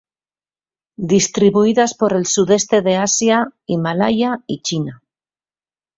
Distribuidas por el sudeste de Asia, Himalaya y China.